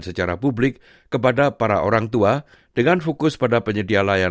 secara publik kepada para orang tua dengan fokus pada penyedia layanan